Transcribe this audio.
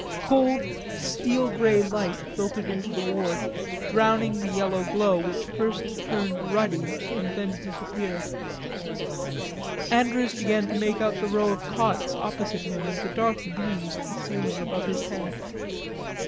Cold steel gray light filtered into the ward, drowning the yellow glow which first turned ruddy and then disappeared. Andrews began to make out the row of cots opposite him, and the dark beams of the ceiling above his head.